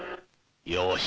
よし。